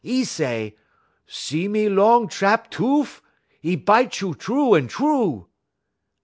'E say: "'See me long sha'p toof? 'E bite you troo un troo!'